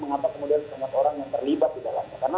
mengapa kemudian banyak orang yang terlibat di dalamnya